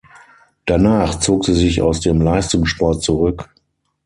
Danach zog sie sich aus dem Leistungssport zurück.